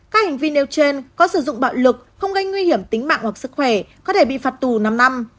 các hành vi nêu trên có sử dụng bạo lực không gây nguy hiểm tính mạng hoặc sức khỏe có thể bị phạt tù năm năm